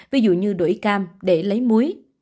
ví dụ như đổi cam để lấy muối